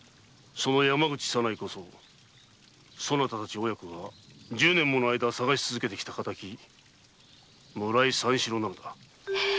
その山口左内こそそなたたちが十年もの間捜し続けた敵村井三四郎だ。